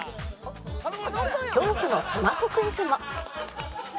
恐怖のスマホクイズも